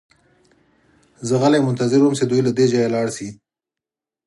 زه غلی منتظر وم چې دوی له دې ځایه لاړ شي